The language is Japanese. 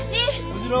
小次郎。